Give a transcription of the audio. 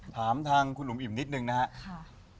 ถามทางคุณอุ๋มอิ่มนิดนึงนะครับ